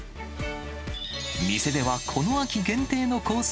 店ではこの秋限定のコース